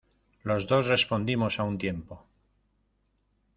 los dos respondimos a un tiempo: